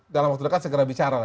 dalam waktu dekat segera bicara